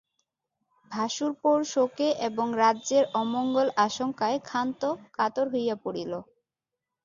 ভাশুরপোর শোকে এবং রাজ্যের অমঙ্গল-আশঙ্কায় ক্ষান্ত কাতর হইয়া পড়িল।